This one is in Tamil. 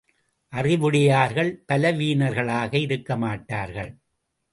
அறிவுடையார்கள் பலவீனர்களாக இருக்கமாட்டார்கள்.